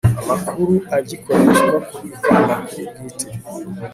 amakuru agikoreshwa kubika amakuru bwite